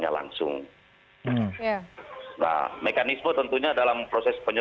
pada saat itu kami menerima laporan tentunya